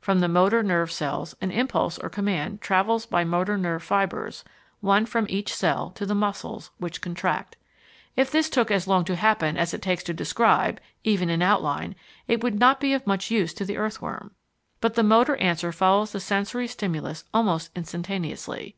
From the motor nerve cells an impulse or command travels by motor nerve fibres, one from each cell, to the muscles, which contract. If this took as long to happen as it takes to describe, even in outline, it would not be of much use to the earthworm. But the motor answer follows the sensory stimulus almost instantaneously.